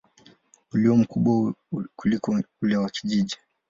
ulio mkubwa kuliko ule wa kijiji.